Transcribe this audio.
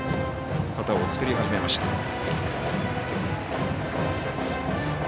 肩を作り始めました。